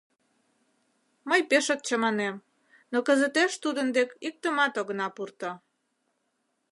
— Мый пешак чаманем, но кызытеш тудын дек иктымат огына пурто.